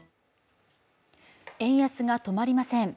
円安が止まりません。